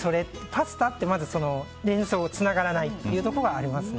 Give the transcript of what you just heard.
パスタ？って、まずつながらないところがあります。